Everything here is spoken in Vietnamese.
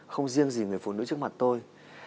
không riêng gì người phụ nữ trước mặt tôi